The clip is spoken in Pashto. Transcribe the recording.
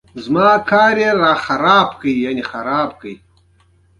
لوگر د افغانانو ژوند اغېزمن کوي.